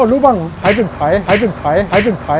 อ้าวรู้ป่ะไถเป็นไถไถเป็นไถไถเป็นไถ